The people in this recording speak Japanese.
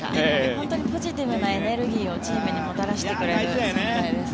本当にポジティブなエネルギーをチームにもたらしてくれる存在です。